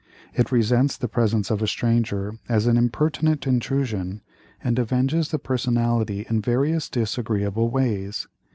It resents the presence of a stranger as an impertinent intrusion, and avenges the personality in various disagreeable ways.